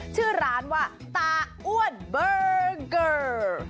ชื่อร้านว่าตาอ้วนเบิ้งเกอร์